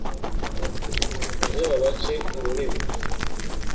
ejo babace ururimi